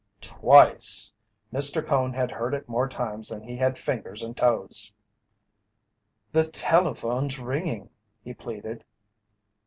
Twice! Mr. Cone had heard it more times than he had fingers and toes. "The telephone's ringing," he pleaded.